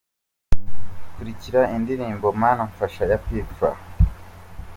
kurikira indirimbo "Mana Mpfasha" ya P Fla.